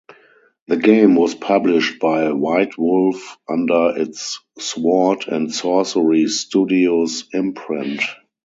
The game was published by White Wolf under its Sword and Sorcery Studios imprint.